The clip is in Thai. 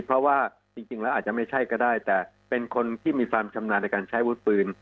เพราะว่าจริงแล้วอาจจะไม่ใช่ก็ได้แต่เป็นคนที่มีความชำนาญในการใช้วุฒิปืน